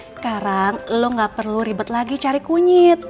sekarang lo gak perlu ribet lagi cari kunyit